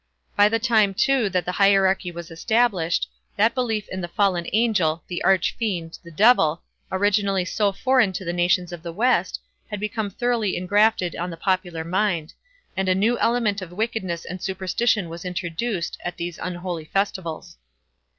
By the time, too, that the hierarchy was established, that belief in the fallen angel, the Arch Fiend, the Devil, originally so foreign to the nations of the West, had become thoroughly ingrafted on the popular mind, and a new element of wickedness and superstition was introduced at those unholy festivals.